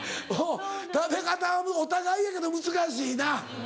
食べ方はもうお互いやけど難しいな。